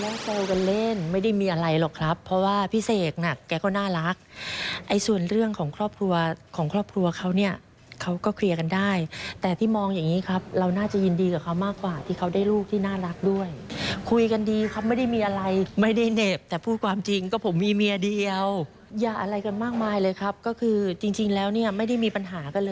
เออเดี๋ยวพี่เอ๋จะว่ายังไงนะให้คุณผู้ชมไปฟังกันเองค่ะ